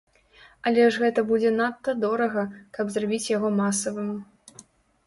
Але ж гэта будзе надта дорага, каб зрабіць яго масавым.